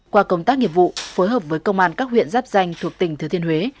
qua công tác nghiệp vụ phối hợp với công an các huyện giáp danh thuộc tỉnh thừa thiên huế